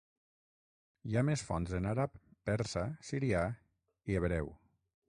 Hi ha més fonts en àrab, persa, sirià i hebreu.